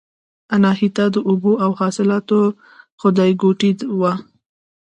اناهیتا د اوبو او حاصلاتو خدایګوټې وه